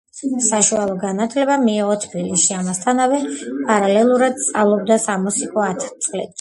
საშუალო განათლება მიიღო თბილისში, ამასთანავე, პარალელურად სწავლობდა სამუსიკო ათწლედში.